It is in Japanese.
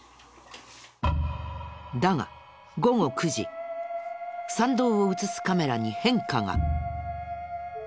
だが午後９時参道を映すカメラに変化が。